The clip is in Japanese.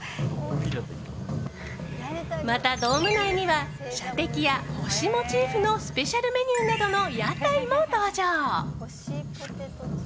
またドーム内には射的や星モチーフのスペシャルメニューなどの屋台も登場。